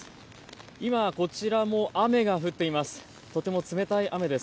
今こちらも雨が降っています。